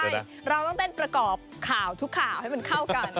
ใช่เราต้องเต้นประกอบข่าวทุกข่าวให้มันเข้ากัน